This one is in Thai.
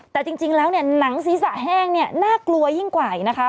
แต่จริงแล้วหนังศีรษะแห้งนี่น่ากลัวยยิ่งกว่ายนะคะ